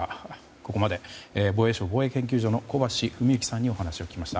ここまで防衛省防衛研究所の小橋史行さんにお話を聞きました。